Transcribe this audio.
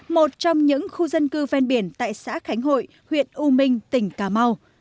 một trong những khu dân cư ven biển tại xã khánh hội huyện u minh tỉnh cà mau